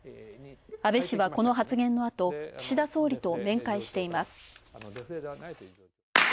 安倍氏は、この発言のあと岸田総理と面会しています。